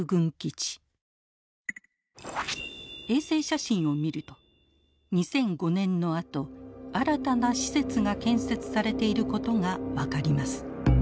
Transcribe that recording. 衛星写真を見ると２００５年のあと新たな施設が建設されていることが分かります。